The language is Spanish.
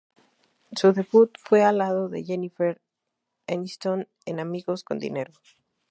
Su debut fue al lado de Jennifer Aniston en "Amigos con dinero".